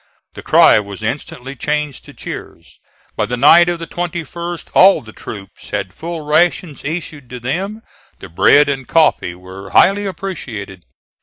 The cry was instantly changed to cheers. By the night of the 21st all the troops had full rations issued to them. The bread and coffee were highly appreciated.